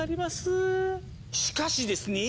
しかしですね